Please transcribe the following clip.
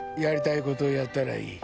やりたいことやったらいい。